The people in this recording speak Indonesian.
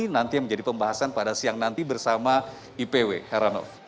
nanti menjadi pembahasan pada siang nanti bersama ipw heranov